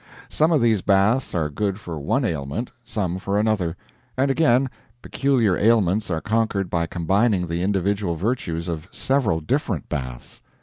Some of these baths are good for one ailment, some for another; and again, peculiar ailments are conquered by combining the individual virtues of several different baths.